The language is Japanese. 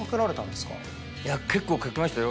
いや結構かけましたよ